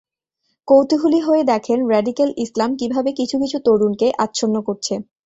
কৌতূহলী হয়ে দেখেন, র্যাডিক্যাল ইসলাম কীভাবে কিছু কিছু তরুণকে আচ্ছন্ন করছে।